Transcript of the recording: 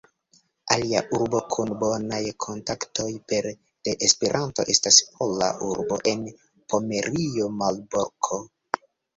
Alia urbo kun bonaj kontaktoj pere de Esperanto estas pola urbo en Pomerio Malborko.